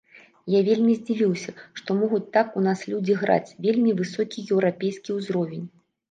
Я вельмі здзівіўся, што могуць так у нас людзі граць, вельмі высокі еўрапейскі ўзровень!